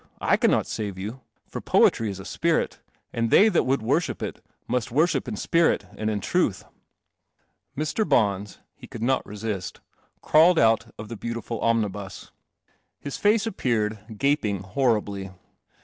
I cannot save you. For poetry is a spirit; and they that would worship it must worship in spirit and in truth." Mr. Bons — he could not resist — crawled out of the beautiful omnibus. His face appeared, gaping horribly.